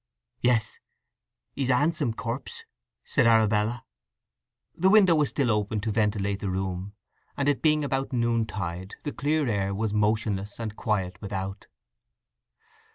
"Yes. He's a 'andsome corpse," said Arabella. The window was still open to ventilate the room, and it being about noontide the clear air was motionless and quiet without.